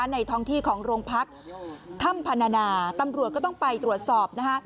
ในท้องที่ของโรงพักถ้ำพนานาตำรวจก็ต้องไปตรวจสอบนะคะ